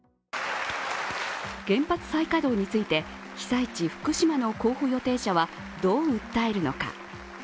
原発再稼働について、被災地福島の候補予定者はどう訴えるのか。